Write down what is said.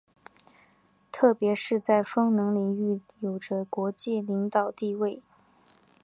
特别是在风能领域有着国际领导地位。